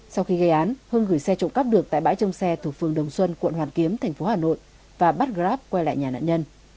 sau khi gây án hưng gửi xe trộm cắp được tại bãi trông xe thuộc phường đồng xuân quận hoàn kiếm thành phố hà nội và bắt grab quay lại nhà nạn nhân